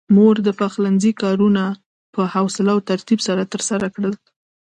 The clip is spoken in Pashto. مور د پخلنځي کارونه په حوصله او ترتيب سره ترسره کړل.